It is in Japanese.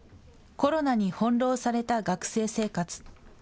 コロナに翻弄された学生生活。